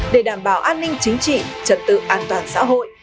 để đảm bảo an ninh chính trị trật tự an toàn xã hội